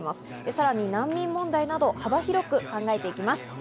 さらに難民問題など幅広く考えていきます。